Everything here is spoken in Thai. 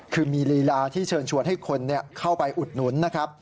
คือมีลีลาที่เชิญชวนให้คนเข้าไปอุดหนุนนะครับ